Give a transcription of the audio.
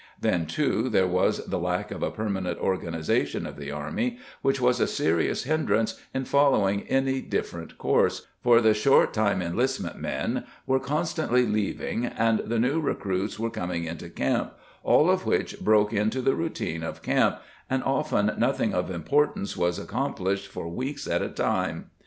Then, too, there was the lack of a permanent organization of the army, which was a serious hindrance in following any different course, for the short time enlistment men were constantly leaving and the new recruits were coming into camp, all of which broke into the routine of camp and often nothing of importance was accomplished for weeks at a time.